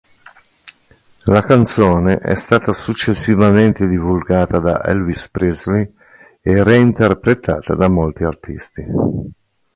La canzone è stata successivamente divulgata da Elvis Presley e reinterpretata da molti artisti.